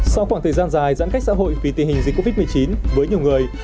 sau khoảng thời gian dài giãn cách xã hội vì tình hình dịch covid một mươi chín với nhiều người